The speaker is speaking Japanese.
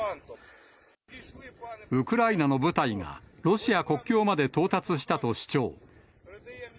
ウクライナの部隊が、ロシア国境まで到達したと主張。